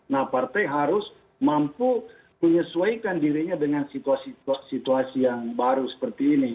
nah partai harus mampu menyesuaikan dirinya dengan situasi situasi yang baru seperti ini